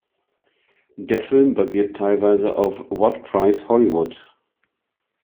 Der Film basiert teilweise auf "What Price Hollywood?